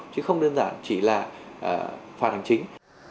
chứ không đơn giản chỉ là phạt hành chính